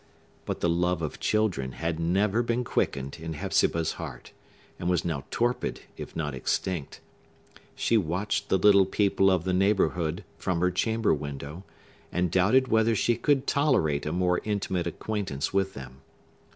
But the love of children had never been quickened in Hepzibah's heart, and was now torpid, if not extinct; she watched the little people of the neighborhood from her chamber window, and doubted whether she could tolerate a more intimate acquaintance with them.